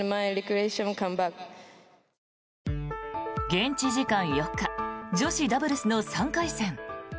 現地時間４日女子ダブルスの３回戦。